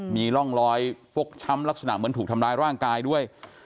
มีร่องรอยฟกช้ำลักษณะเหมือนถูกทำร้ายร่างกายด้วย